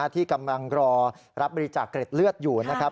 ที่กำลังรอรับบริจาคเกร็ดเลือดอยู่นะครับ